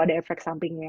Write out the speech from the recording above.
ada efek sampingnya